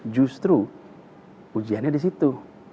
justru ujiannya di situ